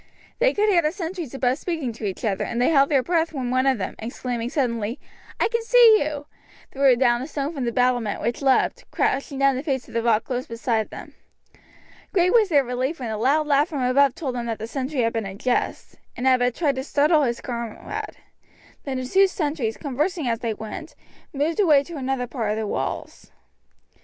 They could hear the sentries above speaking to each other, and they held their breath when one of them, exclaiming suddenly, "I can see you!" threw down a stone from the battlement, which leapt, crashing down the face of the rock close beside them. Great was their relief when a loud laugh from above told them that the sentry had been in jest, and had but tried to startle his comrade; then the two sentries, conversing as they went, moved away to another part of the walls.